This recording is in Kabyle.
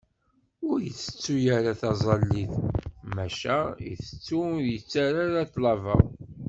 Ur itettu ara taẓallit, maca itettu ur yettarra ṭṭlaba.